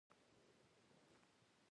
سانتیاګو له فاطمې سره مینه پیدا کوي.